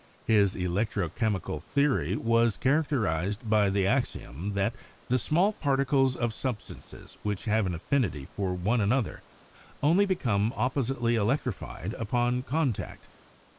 His electro chemical theory was characterized by the axiom that the small particles of sub stances which have an affinity for one another only be come oppositely electrified upon contact.